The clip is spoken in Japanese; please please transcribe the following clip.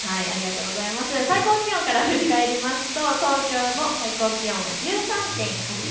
最高気温から振り返りますと東京の最高気温は１３．８度。